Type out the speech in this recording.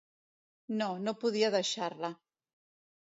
No, no podia deixar-la.